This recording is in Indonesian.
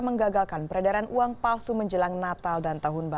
menggagalkan peredaran uang palsu menjelang natal dan tahun baru